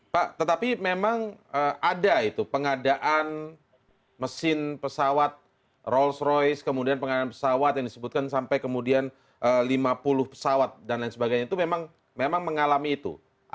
pak tetapi memang ada itu pengadaan mesin pesawat rolls royce kemudian pengadaan pesawat yang disebutkan sampai kemudian lima puluh pesawat dan lain sebagainya itu memang mengalami itu